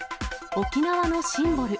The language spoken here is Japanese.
沖縄のシンボル。